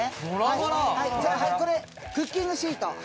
これクッキングシート。